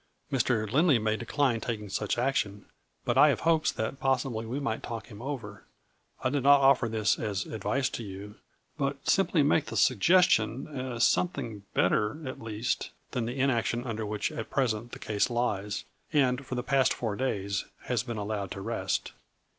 Mr. Lindley may decline taking such action, but I have hopes that possibly we might talk him over, I do not offer this as advice to you, but simply make the suggestion as some thing better at least than the inaction under which at present the case lies, and for the past A FLURRY IN DIAMONDS. 149 four days has been allowed to rest.